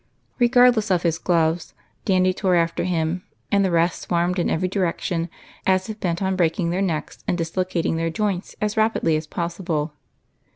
Regardless of his gloves, Dandy tore after him, and the rest swarmed in every direction as if bent on breaking their necks and dislocating their joints as rapidly as possible.